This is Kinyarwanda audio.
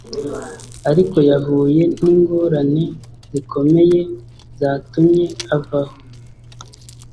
ariko yahuye n'ingorane zikomeye zatumye avaho